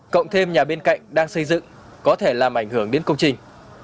cộng thêm nhà bên cạnh đang xây dựng có thể làm ảnh hưởng đến công trình